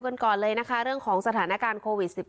พีควัลก็มีวกันก่อนเลยนะคะเรื่องของสถานการณ์โควิด๑๙